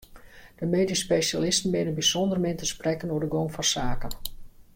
De medysk spesjalisten binne bysûnder min te sprekken oer de gong fan saken.